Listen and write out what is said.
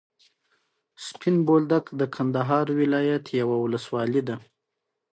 د علامه رشاد لیکنی هنر مهم دی ځکه چې پلور نه کوي.